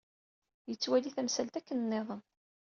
Yettwali tamsalt akken nniḍen.